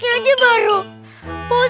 nanti yank gurung